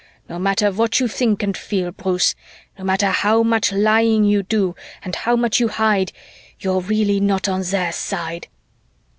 No matter what you think and feel, Bruce, no matter how much lying you do and how much you hide, you're really not on their side."